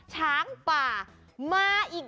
หาอะไร